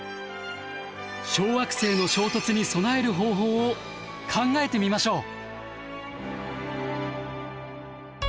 小惑星の衝突に備える方法を考えてみましょう！